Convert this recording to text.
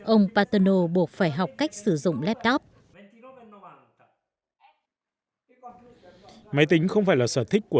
ông paterno buộc phải học các trường đại học